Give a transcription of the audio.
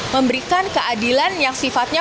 memberikan keadilan yang sifatnya